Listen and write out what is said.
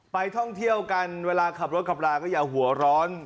ท่องเที่ยวกันเวลาขับรถขับลาก็อย่าหัวร้อน